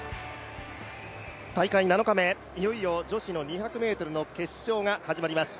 大会７日目、いよいよ女子２００ｍの決勝が始まります。